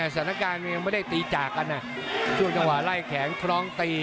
สถานการณ์ยังไม่ได้ตีจากกันช่วงเวลาไร้แข็งพร้อมตี